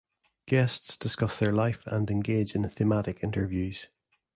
Guests discuss their life and engage in thematic interviews.